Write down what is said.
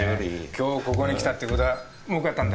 今日ここに来たってことはもうかったんだろ？